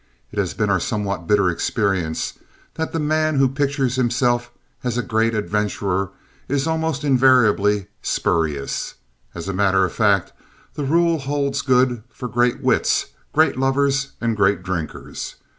It has been our somewhat bitter experience that the man who pictures himself as a great adventurer is almost invariably spurious. As a matter of fact, the rule holds good for great wits, great lovers and great drinkers.